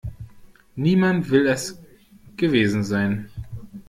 Niemand will es gewesen sein.